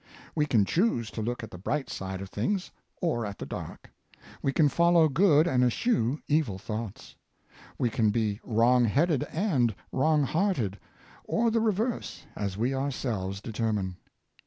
We can choose to look at the bright side of things or at the dark. We can follow good and eschew evil thoughts. We can be wrong headed and wrong hearted, or the reverse, as we ourselves de termine.